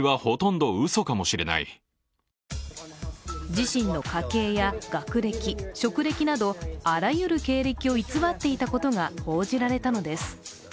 自身の家系や学歴、職歴などあらゆる経歴を偽っていたことが報じられたのです。